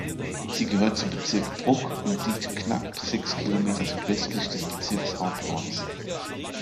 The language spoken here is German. Sie gehört zum Bezirk Brugg und liegt knapp sechs Kilometer südwestlich des Bezirkshauptorts.